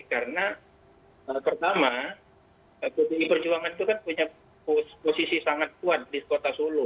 karena pertama pdi perjuangan itu kan punya posisi sangat kuat di kota solo